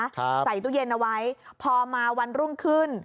ใส่ตู้เย็นเอาไว้พอมาวันรุ่งขึ้น